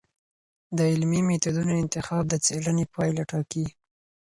د علمي میتودونو انتخاب د څېړنې پایله ټاکي.